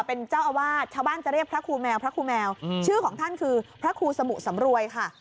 เป็นเจ้าอาวาสชาวบ้านจะเรียกพระครูแมวพระครูแมวชื่อของท่านคือพระครูสมุสำรวยค่ะ